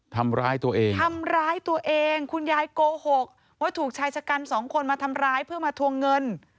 ทำร้ายตัวเองทำร้ายตัวเองคุณยายโกหกว่าถูกชายชะกันสองคนมาทำร้ายเพื่อมาทวงเงิน